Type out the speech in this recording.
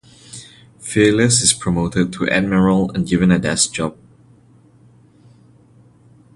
Fearless is promoted to Admiral and given a desk job.